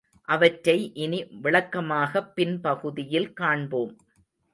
அவற்றை இனி விளக்கமாகப் பின்பகுதியில் காண்போம்.